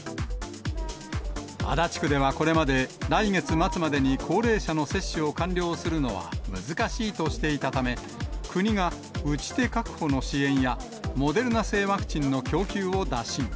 足立区ではこれまで、来月末までに高齢者の接種を完了するのは難しいとしていたため、国が打ち手確保の支援や、モデルナ製ワクチンの供給を打診。